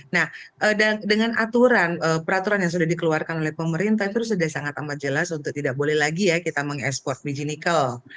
nah dengan aturan peraturan yang sudah dikeluarkan oleh pemerintah itu sudah sangat amat jelas untuk tidak boleh lagi ya kita mengekspor biji nikel